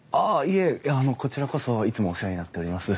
いやあのこちらこそいつもお世話になっております。